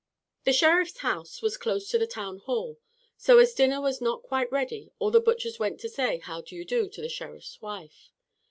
The Sheriff's house was close to the town hall, so as dinner was not quite ready all the butchers went to say "How do you do?" to the Sheriff's wife.